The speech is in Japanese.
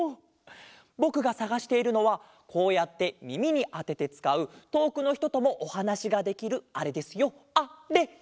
ぼくがさがしているのはこうやってみみにあててつかうとおくのひとともおはなしができるあれですよあれ！